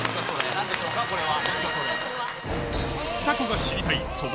何でしょうかこれは。